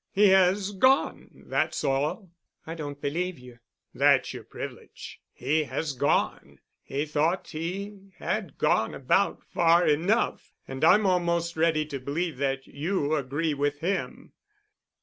He has gone. That's all." "I don't believe you." "That's your privilege. He has gone. He thought he had gone about far enough. And I'm almost ready to believe that you agree with him."